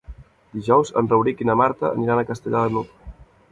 Dijous en Rauric i na Marta aniran a Castellar de n'Hug.